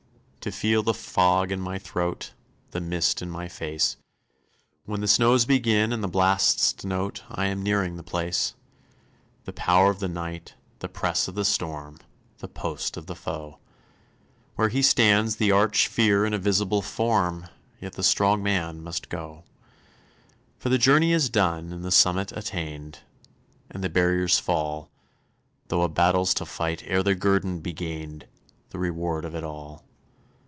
to feel the fog in my throat, The mist in my face, When the snows begin, and the blasts denote I am nearing the place, The power of the night, the press of the storm, The post of the foe; Where he stands, the Arch Fear in a visible form, Yet the strong man must go: For the journey is done and the summit attained, And the barriers fall, Though a battle's to fight ere the guerdon be gained, The reward of it all.